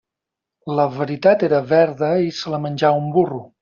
La veritat era verda i se la menjà un burro.